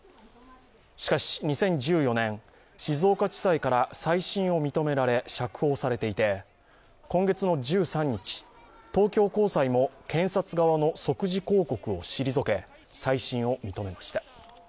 しかし２０１４年、静岡地裁から再審を認められ釈放されていて、今月１３日東京高裁も検察側の即時抗告を退け再審を認めました。